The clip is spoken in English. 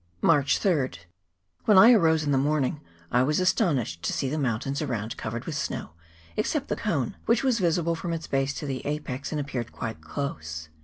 " March 3rd. When I arose in the morning I was astonished to see the mountains around covered with snow, except the cone, which was visible from its base to the apex, and appeared quite close.